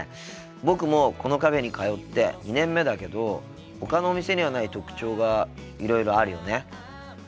僕もこのカフェに通って２年目だけどほかのお店にはない特徴がいろいろあるよね。